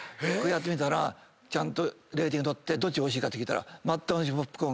ちゃんとレーティング取ってどっちがおいしいかって聞いたら。